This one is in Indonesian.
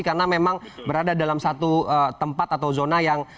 karena memang berada dalam satu tempat atau zona yang